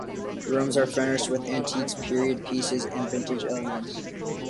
The rooms are furnished with antiques, period pieces, and vintage elements.